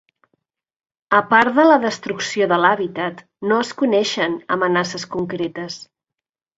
A part de la destrucció de l'hàbitat, no es coneixen amenaces concretes.